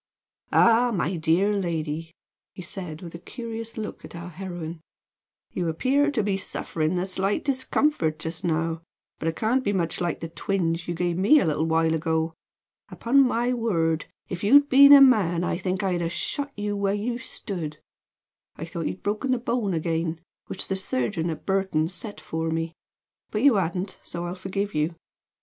"Ah, my dear lady!" he said, with a curious look at our heroine, "you appear to be suffering a slight discomfort just now, but it can't be much like the twinge you gave me a little while ago. Upon my word, if you'd been a man I think I should have shot you where you stood. I thought you'd broken the bone again, which the surgeon at Burton set for me; but you hadn't, so I'll forgive you.